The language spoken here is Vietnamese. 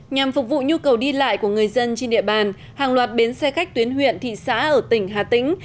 nhằm phục vụ nhu cầu đi lại của người dân trên địa bàn hàng loạt bến xe khách tuyến huyện thị xã ở tỉnh hà tĩnh